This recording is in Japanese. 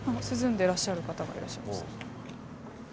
でらっしゃる方がいらっしゃいます。